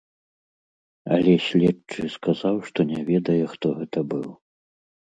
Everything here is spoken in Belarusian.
Але следчы сказаў, што не ведае, хто гэта быў.